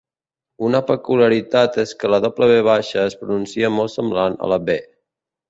Una peculiaritat és que la "w" es pronunciava molt semblant a la "b".